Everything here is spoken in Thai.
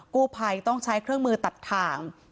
กู้ภัยต้องใช้เครื่องมือตัดถ่าง